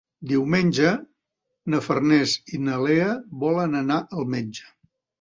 Diumenge na Farners i na Lea volen anar al metge.